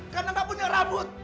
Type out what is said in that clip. karena gak punya rambut